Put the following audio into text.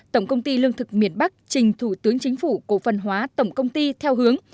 tổng công ty lương thực miền bắc trình thủ tướng chính phủ cổ phân hóa tổng công ty theo hướng